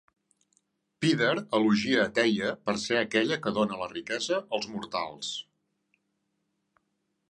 Píndar elogia a Teia per ser aquella que dóna la riquesa als mortals.